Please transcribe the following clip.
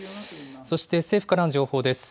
そして政府からの情報です。